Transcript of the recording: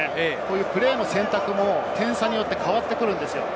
プレーの選択も点差によって変わってくるんです。